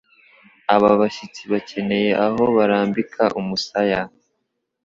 aba bashyitsi bakeneye aho barambika umusaya